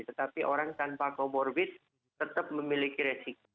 tetapi orang tanpa comorbid tetap memiliki resiko